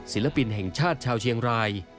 ศิลปินแห่งชาติชาวเชียงราย